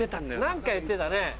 何か言ってたね。